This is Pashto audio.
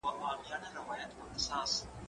زه مخکي کتابتون ته تللی و!؟